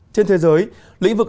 trên thế giới lĩnh vực